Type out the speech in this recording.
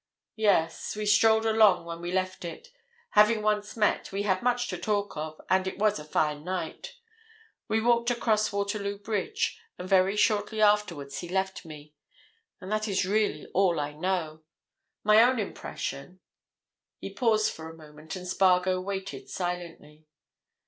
"Yes. We strolled along when we left it. Having once met, we had much to talk of, and it was a fine night. We walked across Waterloo Bridge and very shortly afterwards he left me. And that is really all I know. My own impression——" He paused for a moment and Spargo waited silently.